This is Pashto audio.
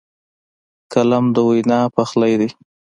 قلم د وینا پخلی دی